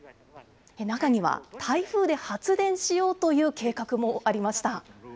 中には、台風で発電しようという計画もありました。